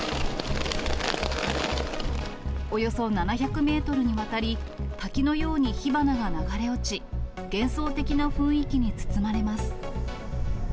およそ７００メートルにわたり、滝のように火花が流れ落ち、幻想的な雰囲気に包まれます。